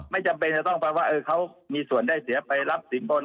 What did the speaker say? ไม่จำเป็นจะต้องไปว่าเขามีส่วนได้เสียไปรับสินบน